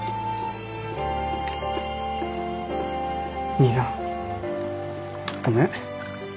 兄さんごめん。